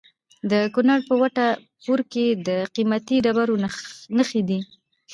د کونړ په وټه پور کې د قیمتي ډبرو نښې دي.